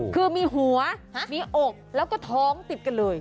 คือมีหัวมีอกแล้วก็ท้องติดกันเลย